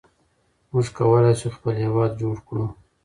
موږ کولای شو خپل هېواد جوړ کړو.